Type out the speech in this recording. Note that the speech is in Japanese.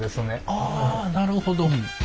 あなるほど。